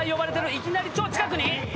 いきなり超近くに！